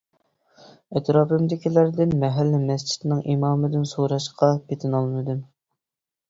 ئەتراپىمدىكىلەردىن مەھەللە مەسچىتىنىڭ ئىمامىدىن سوراشقا پېتىنالمىدىم.